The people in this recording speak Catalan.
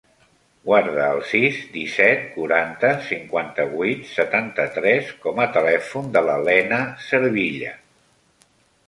Guarda el sis, disset, quaranta, cinquanta-vuit, setanta-tres com a telèfon de la Lena Cervilla.